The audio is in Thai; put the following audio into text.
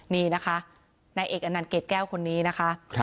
นี่นะคะนายเอกอนันต์เกรดแก้วคนนี้นะคะ